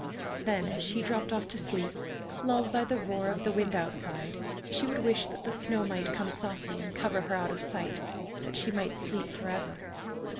Then as she dropped off to sleep, lulled by the roar of the wind outside, she would wish that the snow might come softly and cover her out of sight, that she might sleep forever.